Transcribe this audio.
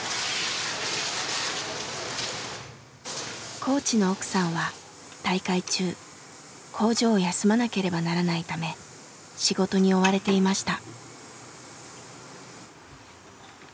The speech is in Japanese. コーチの奥さんは大会中工場を休まなければならないため仕事に追われていました。